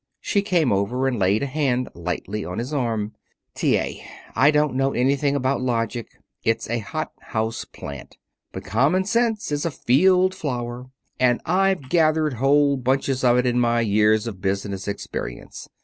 She came over and laid a hand lightly on his arm. "T. A., I don't know anything about logic. It is a hot house plant. But common sense is a field flower, and I've gathered whole bunches of it in my years of business experience.